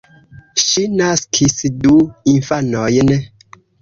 Ŝi naskis du infanojn.